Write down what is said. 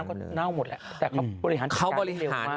เมื่อก่อนเกาหลีน้ำก็เน่าหมดแล้วแต่เขาบริหารสิทธิ์การเร็วมาก